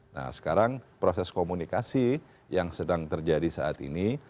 nah sekarang proses komunikasi yang sedang terjadi saat ini